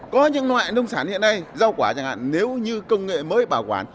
có những loại nông sản hiện nay rau quả chẳng hạn nếu như công nghệ mới bảo quản